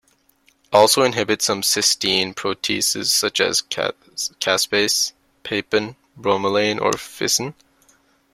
Also inhibits some cysteine proteases such as caspase, papain, bromelain or ficin.